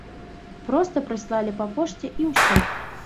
Проста прыслалі па пошце і ўсё.